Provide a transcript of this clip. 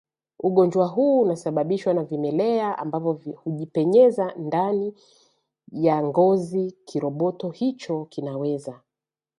ugonjwa huu Unasababishwa na vimelea ambavyo hujipenyeza hadi ndani ya ngozi Kiroboto hicho kinaweza